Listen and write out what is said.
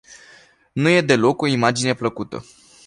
Nu e deloc o imagine plăcută.